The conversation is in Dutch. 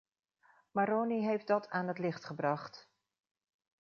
Maroni heeft dat aan het licht gebracht.